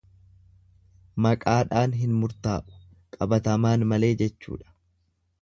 Maqaadhan hin murtaa'u, qabatamaan malee jechuudha.